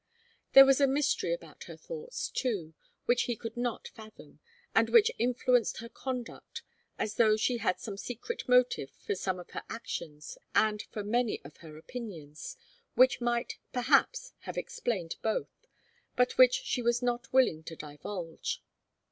There was a mystery about her thoughts, too, which he could not fathom, and which influenced her conduct, as though she had some secret motive for some of her actions and for many of her opinions, which might, perhaps, have explained both, but which she was not willing to divulge.